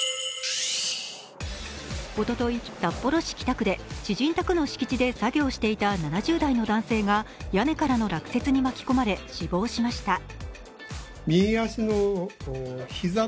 おととい、札幌市北区で知人宅で作業をしていた７０代の男性が屋根からの落雪に巻き込まれ死亡しました。